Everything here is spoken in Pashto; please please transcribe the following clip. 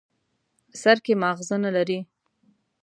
سر کې ماغزه نه لري.